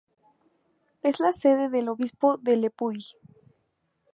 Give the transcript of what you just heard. Es la sede del obispo de Le Puy.